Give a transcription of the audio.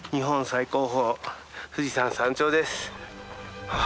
最高峰富士山山頂です。